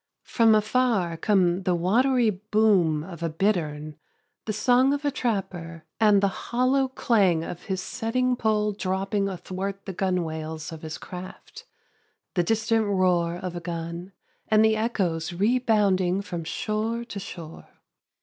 From afar come the watery boom of a bittern, the song of a trapper and the hollow clang of his setting pole dropping athwart the gunwales of his craft, the distant roar of a gun and the echoes rebounding from shore to shore.